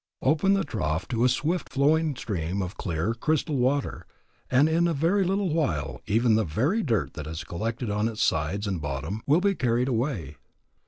Open the trough to a swift flowing stream of clear, crystal water, and in a very little while even the very dirt that has collected on its sides and bottom will be carried away.